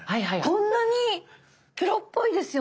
こんなに⁉プロっぽいですよね。